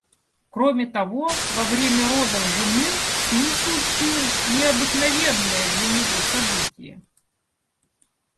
Кроме того, во время родов жены с ним случилось необыкновенное для него событие.